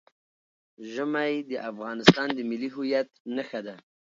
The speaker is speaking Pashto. ژمی د افغانستان د ملي هویت نښه ده.